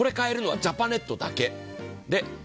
これを買えるのはジャパネットだけ。